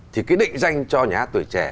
thì cái định danh cho nhà hát tuổi trẻ